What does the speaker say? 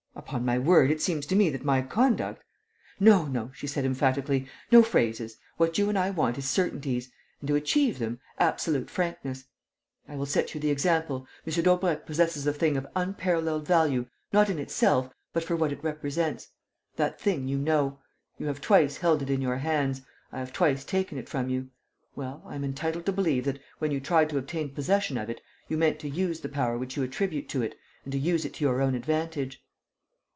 Upon my word, it seems to me that my conduct...." "No, no," she said, emphatically, "no phrases! What you and I want is certainties; and, to achieve them, absolute frankness. I will set you the example. M. Daubrecq possesses a thing of unparalleled value, not in itself, but for what it represents. That thing you know. You have twice held it in your hands. I have twice taken it from you. Well, I am entitled to believe that, when you tried to obtain possession of it, you meant to use the power which you attribute to it and to use it to your own advantage...."